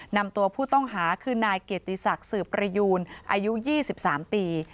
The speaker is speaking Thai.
นำตัวผู้ต้องหาคือนายเกียรติศักดิ์สืบประยูนอายุ๒๓ปี